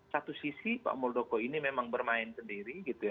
satu sisi pak muldoko ini memang bermain sendiri